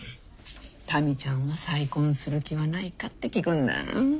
民ちゃんは再婚する気はないかって聞くんだあ。